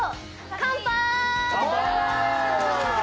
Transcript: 乾杯！